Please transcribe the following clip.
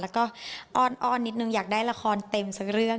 แล้วก็อ้อนนิดนึงอยากได้ละครเต็มสักเรื่อง